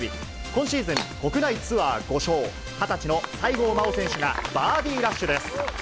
今シーズン、国内ツアー５勝、２０歳の西郷真央選手がバーディーラッシュです。